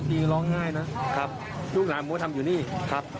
ตีร้องไห้นะครับทุกหลายมัวทำอยู่นี่ครับ